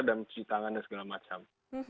cuci tangan dan segala macam